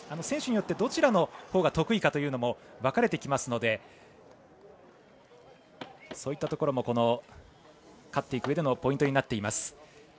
選手によって、どちらのほうが得意かというのも分かれてきますのでそういったところも勝っていく上のポイントになっています。